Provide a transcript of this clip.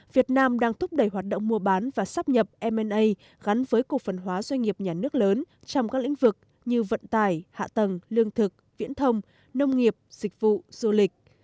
việt nam đang thúc đẩy hoạt động mua bán và sắp nhập m a gắn với cổ phần hóa doanh nghiệp nhà nước lớn trong các lĩnh vực như vận tải hạ tầng lương thực viễn thông nông nghiệp dịch vụ du lịch